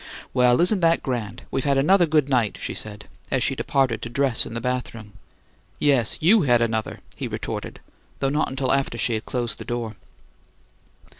"Well, isn't that grand! We've had another good night," she said as she departed to dress in the bathroom. "Yes, you had another!" he retorted, though not until after she had closed the door.